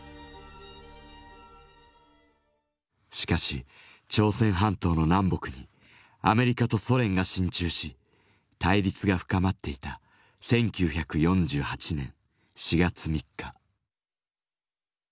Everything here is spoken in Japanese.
しかし朝鮮半島の南北にアメリカとソ連が進駐し対立が深まっていた１９４８年４月３日。